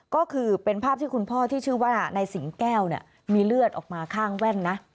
ก็คือเป็นภาพที่คุณพ่อที่ชื่อว่านายสิงแก้วเนี่ยมีเลือดออกมาข้างแว่นนะ